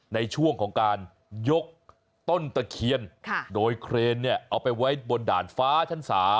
ในช่วงของการยกต้นตะเคียนโดยเครนเนี่ยเอาไปไว้บนด่านฟ้าชั้น๓